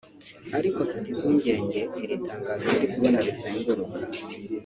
Ariko mfite impungenge iri tangazo ndi kubona rizenguruka